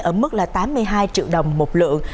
ở mức tám mươi hai triệu đồng một lượng